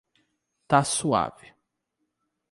Tá suave.